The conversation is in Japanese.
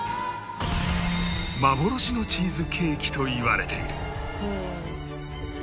幻のチーズケーキといわれている